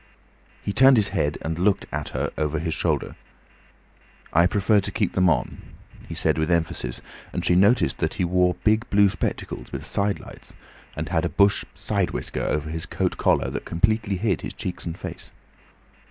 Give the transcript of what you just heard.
He turned his head and looked at her over his shoulder. "I prefer to keep them on," he said with emphasis, and she noticed that he wore big blue spectacles with sidelights, and had a bush side whisker over his coat collar that completely hid his cheeks and face.